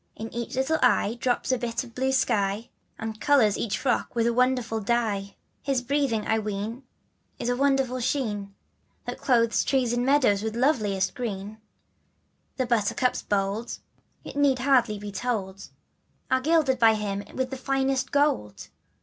*in eaclVlittle eye drops a bit of blue sky, And colors each frock with a wonderful c ^V His breathing I ween is the wonderful sheen, ^V^ That clothes trees and meadows with loveliest green, The buttercups bold, it need hardly be told, Are gilded by him with the finest of gold.